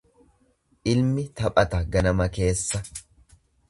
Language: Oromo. Ilmi taphata ganama keessa.